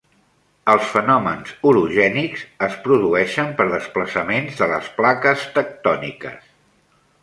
Els fenòmens orogènics es produeixen per desplaçaments de les plaques tectòniques.